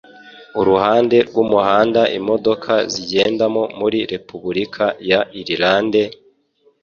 uruhande rwumuhanda imodoka zigendamo muri Repubulika ya Irlande?